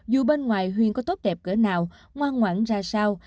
dù bên ngoài huyên có tốt đẹp gỡ nào ngoan ngoãn ra sao